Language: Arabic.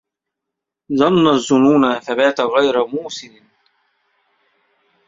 ظن الظنون فبات غير موسد